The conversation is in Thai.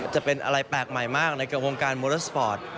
จะเป็นอะไรแปลกใหม่มากในกับวงการโมเลอร์สปอร์ต